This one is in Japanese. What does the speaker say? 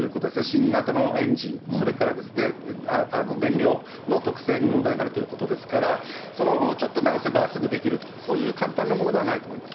新型のエンジン、それから燃料の特性に問題があるということですから、ちょっと直せばすぐできるとか、そういう簡単なものではないと思います。